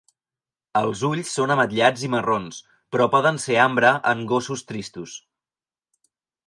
Els ulls són ametllats i marrons, però poden ser ambre en gossos tristos.